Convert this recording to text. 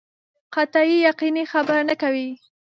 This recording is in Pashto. قطعي یقیني خبره نه کوي.